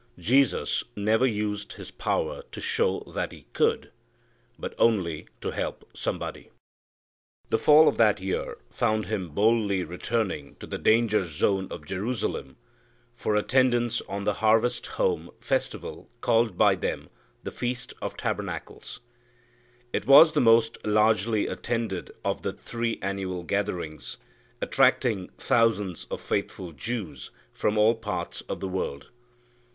Jesus never used His power to show that He could, but only to help somebody. The fall of that year found Him boldly returning to the danger zone of Jerusalem for attendance on the harvest home festival called by them the Feast of Tabernacles. It was the most largely attended of the three annual gatherings, attracting thousands of faithful Jews from all parts of the world.